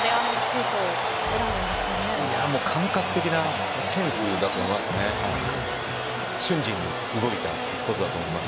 感覚的なセンスだと思います。